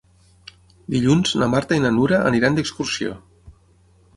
Dilluns na Marta i na Nura aniran d'excursió.